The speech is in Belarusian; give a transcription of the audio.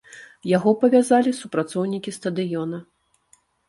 Яго павязалі супрацоўнікі стадыёна.